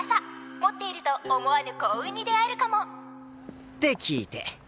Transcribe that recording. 「持っていると思わぬ幸運に出会えるかも」って聞いて。